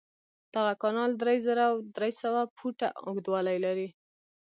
دغه کانال درې زره درې سوه فوټه اوږدوالی لري.